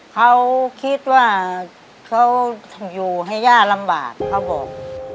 เขาคิดว่าเขาอยู่ให้ย่าลำบากเขาบอก